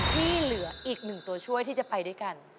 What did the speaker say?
ที่เหลืออีกหนึ่งตัวช่วยที่จะไปด้วยกัน